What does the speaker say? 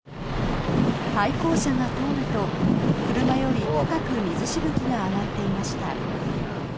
対向車が通ると、車より高く水しぶきが上がっていました。